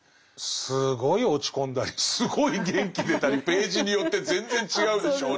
すごい落ち込んだりすごい元気出たりページによって全然違うでしょうね。